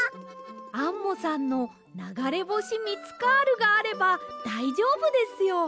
アンモさんのながれぼしミツカールがあればだいじょうぶですよ。